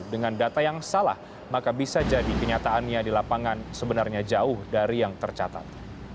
dengan data yang salah maka bisa jadi kenyataannya di lapangan sebenarnya jauh dari yang tercatat